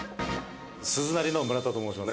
「鈴なりの村田と申します」